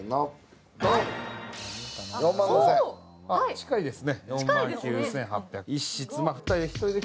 近いですね。